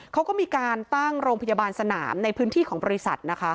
เขาก็มีการตั้งโรงพยาบาลสนามในพื้นที่ของบริษัทนะคะ